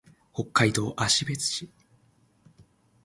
北海道芦別市